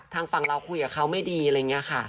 ทางฝั่งเราคุยกับเขาไม่ดีอะไรกับค่ะ